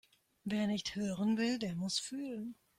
Wer nicht hören will, der muss fühlen.